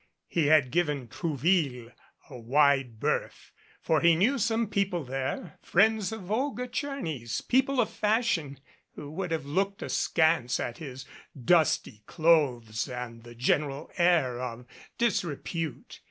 He had given Trouville a wide berth ; for he knew some people there, friends of Olga Tcherny's, people of fashion who would have looked askance at his dusty clothes and general air of disrepute.